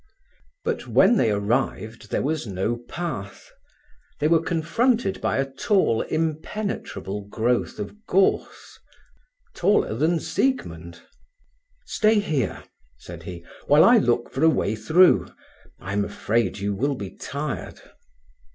But when they arrived there was no path. They were confronted by a tall, impenetrable growth of gorse, taller than Siegmund. "Stay here," said he, "while I look for a way through. I am afraid you will be tired."